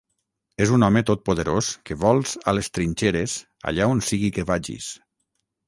És un home totpoderós que vols a les trinxeres allà on sigui que vagis.